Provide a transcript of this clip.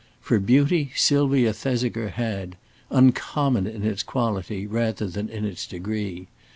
For beauty Sylvia Thesiger had, uncommon in its quality rather than in its degree.